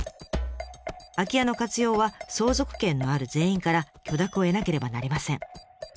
空き家の活用は相続権のある全員から許諾を得なければなりません。